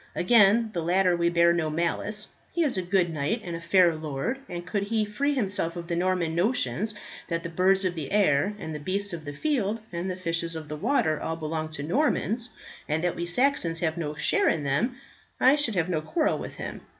Against the latter we bear no malice, he is a good knight and a fair lord; and could he free himself of the Norman notions that the birds of the air, and the beasts of the field, and the fishes of the water, all belong to Normans, and that we Saxons have no share in them, I should have no quarrel with him.